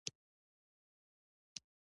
هغه غوښتل چې د پوځیانو په لاسونو کې بندیان شي.